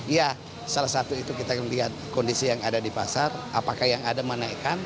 iya salah satu itu kita melihat kondisi yang ada di pasar apakah yang ada menaikkan